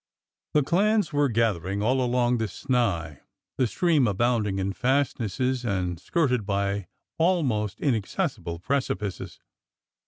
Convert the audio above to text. The clans were gathering all along the Snai— that stream abounding in fastnesses and skirted by almost in accessible precipices.